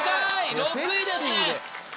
６位ですね。